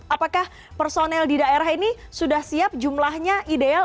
apakah personel di daerah ini sudah siap jumlahnya ideal